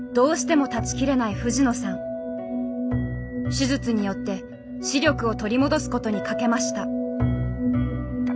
手術によって視力を取り戻すことにかけました。